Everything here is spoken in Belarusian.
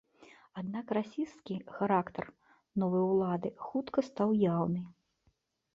Аднак расісцкі характар новай улады хутка стаў яўны.